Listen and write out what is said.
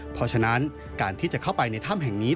เพราะฉะนั้นการที่จะเข้าไปในถ้ำแห่งนี้